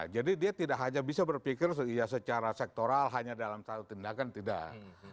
jadi dia tidak hanya bisa berpikir secara sektoral hanya dalam satu tindakan tidak